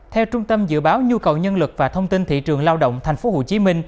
theo trung tâm dự báo nhu cầu nhân lực và thông tin thị trường lao động tp hcm